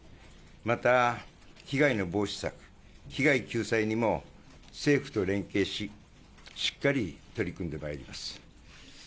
また、被害の防止策、被害救済にも、政府と連携し、しっかり取り組んでまいります。